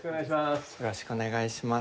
よろしくお願いします。